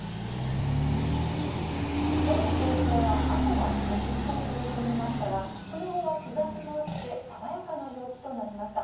きょうの東京は、朝はぐっと冷え込みましたが、その後は日ざしもあって、爽やかな陽気となりました。